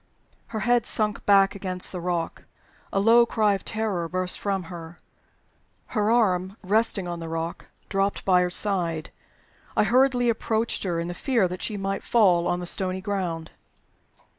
Her head sunk back against the rock. A low cry of terror burst from her. Her arm, resting on the rock, dropped at her side. I hurriedly approached her, in the fear that she might fall on the stony ground.